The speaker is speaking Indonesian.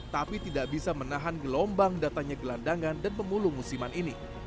tapi tidak bisa menahan gelombang datangnya gelandangan dan pemulung musiman ini